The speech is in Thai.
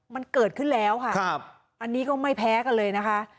มันเกิดขึ้นแล้วค่ะอันนี้ก็ไม่แพ้กันเลยนะคะ